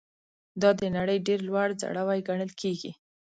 دا د نړۍ ډېر لوړ ځړوی ګڼل کیږي.